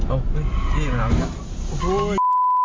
โอ้ยนี่มันทำอย่างนี้